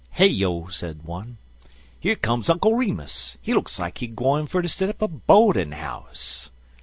"Heyo!" said one, "here comes Uncle Remus. He look like he gwine fer ter set up a bo'din house."